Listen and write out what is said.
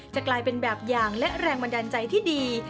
กลายเป็นแบบอย่างและแรงบันดาลใจที่ดี